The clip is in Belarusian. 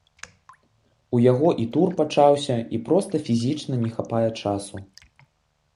У яго і тур пачаўся, і проста фізічна не хапае часу.